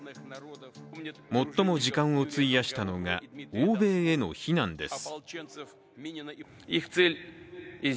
最も時間を費やしたのが欧米への非難です。